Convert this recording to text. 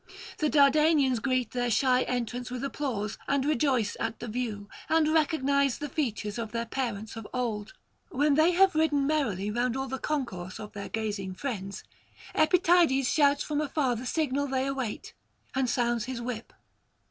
... The Dardanians greet their shy entrance with applause, and rejoice at the view, and recognise the features of their parents of old. When they have ridden merrily round all the concourse of their gazing friends, Epytides shouts from afar the signal they await, and sounds his whip.